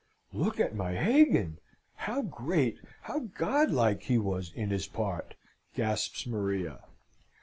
"Look at my Hagan how great, how godlike he was in his part!" gasps Maria.